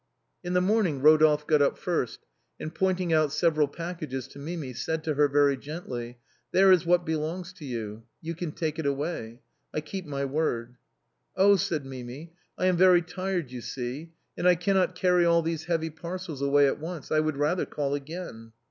In the morning Eodolphe got up first, and pointing out several packages to Mimi, said to her, very gently :" There is what belongs to you ; you can take it away. I keep my word." " Oh !" said Mimi, " I am very tired, you see, and I cannot carry all these heavy parcels away at once. I would rather call again."